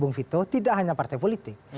bung vito tidak hanya partai politik